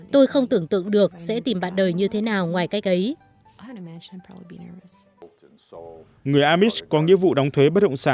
tôi không tưởng tượng được sẽ tìm bạn đời như thế nào ngoài cách ấy